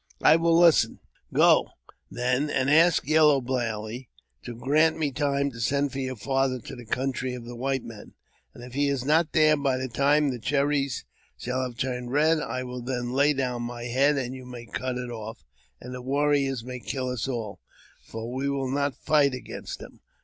" I will listen." *' Go, then, and ask Yellow Belly to grant me time to sen for your father to the country of the white men, and if he be not here by the time the cherries shall have turned red, I wd|| then lay down my head, and you may cut it off, and tlSP warriors may kill us all, for we will not fight against them.